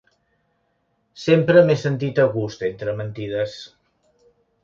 Sempre m'he sentit a gust entre mentides.